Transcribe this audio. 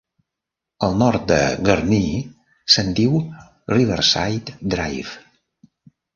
Al nord de Gurnee, se'n diu Riverside Drive.